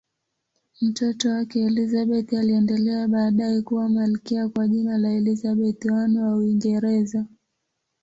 Mtoto wake Elizabeth aliendelea baadaye kuwa malkia kwa jina la Elizabeth I wa Uingereza.